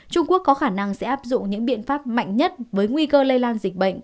trung quốc có khả năng sẽ áp dụng những biện pháp mạnh nhất với nguy cơ lây lan dịch bệnh